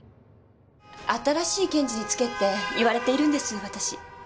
新しい検事につけって言われているんです、私。